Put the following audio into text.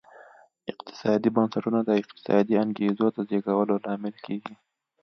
اقتصادي بنسټونه د اقتصادي انګېزو د زېږولو لامل کېږي.